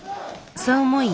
そう思い